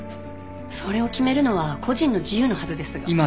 それを決めるのは個人の自由のはずですが。